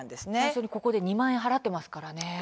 初めに２万円分払ってますからね。